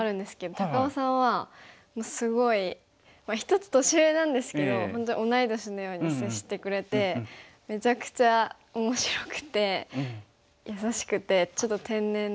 高雄さんはすごい１つ年上なんですけど本当に同い年のように接してくれてめちゃくちゃ面白くて優しくてちょっと天然な。